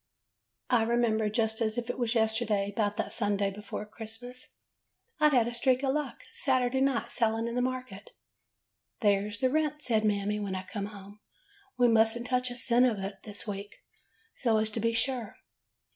"I remember, just as if it was yesterday, 'bout that Sunday before Christmas. I 'd had a streak of luck Sat'day night selling in the market. '' *There 's the rent,' says Mammy, when I come home. *We must n't touch a cent of it this week, so as to be sure.